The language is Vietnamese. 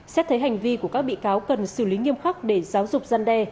xét thấy hành vi của các bị cáo cần xử lý nghiêm khắc để giáo dục gian đe